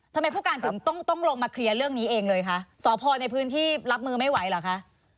ทำไมผู้การถึงต้องต้องลงมาเคลียร์เรื่องนี้เองเลยคะสพในพื้นที่รับมือไม่ไหวเหรอคะ